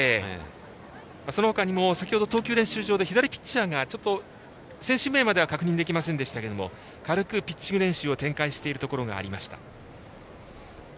そのほかにも先ほど投球練習場で左ピッチャーが選手名までは確認できませんでしたが軽くピッチング練習を展開しているところがありました。